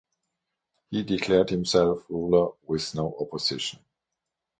He declared himself ruler with no opposition.